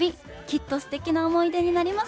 きっとすてきな思い出になりますよ！